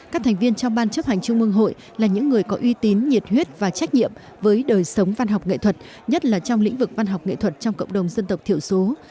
các thành viên trong ban chấp hành trung ương hội là những người có uy tín nhiệt huyết và trách nhiệm với đời sống văn học nghệ thuật nhất là trong lĩnh vực văn học nghệ thuật trong cộng đồng dân tộc thiểu số